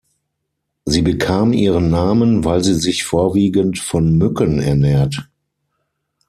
Sie bekam ihren Namen, weil sie sich vorwiegend von Mücken ernährt.